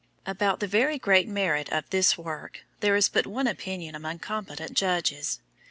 IV. About the very great merit of this work, there is but one opinion among competent judges.